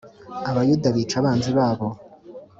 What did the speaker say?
Abayuda bica abanzi babo